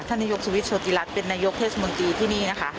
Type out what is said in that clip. ท่านนายกสวิสต์โชติรัติเป็นนายกเทศบาลที่นี่นะคะ